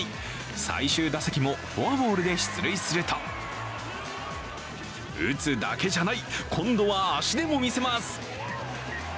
最終打席もフォアボールで出塁すると、打つだけじゃない、今度は足でもみせます。